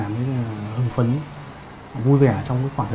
bạn bè xung quanh